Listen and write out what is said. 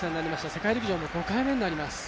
世界陸上も５回目になります。